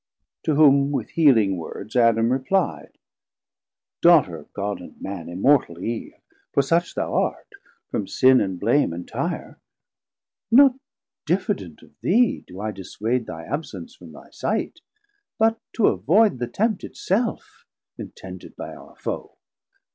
To whom with healing words Adam reply'd. 290 Daughter of God and Man, immortal Eve, For such thou art, from sin and blame entire: Not diffident of thee do I dissuade Thy absence from my sight, but to avoid Th' attempt it self, intended by our Foe.